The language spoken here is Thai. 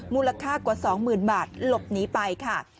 มูลค่ากว่า๒๐๐๐บาทหลบหนีไปค่ะ